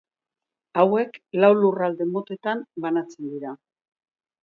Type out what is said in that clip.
Hauek lau lurralde motetan banatzen dira.